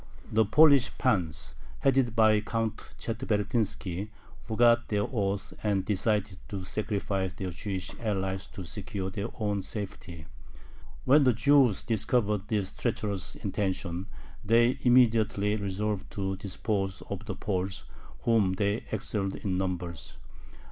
The Polish pans, headed by Count Chetvertinski, forgot their oath, and decided to sacrifice their Jewish allies to secure their own safety. When the Jews discovered this treacherous intention, they immediately resolved to dispose of the Poles, whom they excelled in numbers.